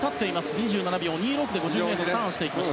２７秒２６で５０ｍターンしていきました。